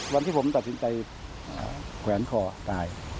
วันที่ผมตัดสินใจแขวนคอตาย